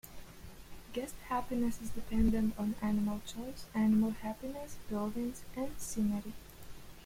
Guest happiness is dependent on animal choice, animal happiness, buildings, and scenery.